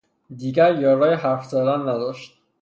دیگر یارای حرف زدن نداشت